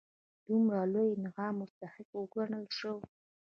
دومره لوی انعام مستحق وګڼل شول.